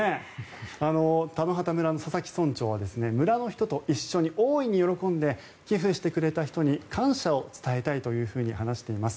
田野畑村の佐々木村長は村の人と一緒に大いに喜んで寄付してくれた人に感謝を伝えたいと話しています。